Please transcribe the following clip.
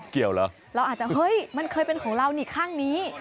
เราอาจจะเฮ่ยเคยมันเป็นของเรานี่ข้างนี้